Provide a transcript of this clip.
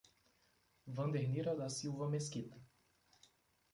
Wandernira da Silva Mesquita